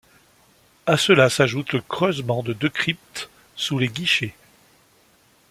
À cela s'ajoute le creusement de deux cryptes sous les guichets.